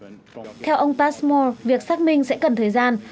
điều tra viên spassmore việc xác minh sẽ cần thời gian